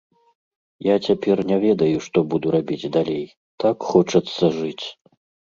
Я цяпер не ведаю, што буду рабіць далей, так хочацца жыць!